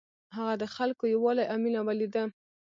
هغه د خلکو یووالی او مینه ولیده.